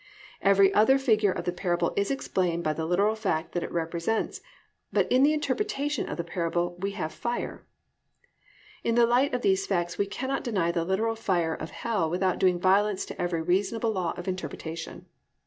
Every other figure of the parable is explained by the literal fact that it represents, but in the interpretation of the parable we have "fire." In the light of these facts we cannot deny the literal fire of hell without doing violence to every reasonable law of interpretation.